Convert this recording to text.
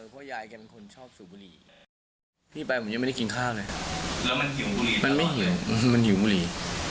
พี่ไปผมยังไม่ได้กินข้าวเลยมันไม่หิวมันหิวบุหรี่